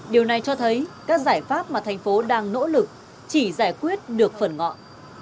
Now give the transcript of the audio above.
điều này cho thấy các giải pháp mà thành phố đang nỗ lực chỉ giải quyết được phần ngọn